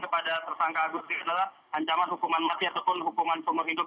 kepada tersangka agus ini adalah ancaman hukuman masyarakat tv hukuman pengumur hidup